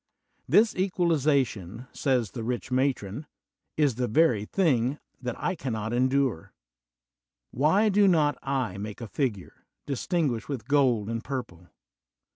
This equalization, says the rich matron, is the very thing that I cannot endure. Why do not I make a figure, distinguished with gold and pur ple?